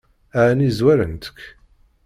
Ɛni zwarent-k?